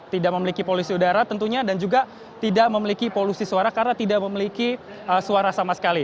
tidak memiliki polusi udara tentunya dan juga tidak memiliki polusi suara karena tidak memiliki suara sama sekali